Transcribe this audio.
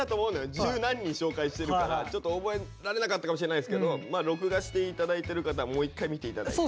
十何人紹介してるからちょっと覚えられなかったかもしれないですけどまあ録画して頂いてる方もう一回見て頂いて。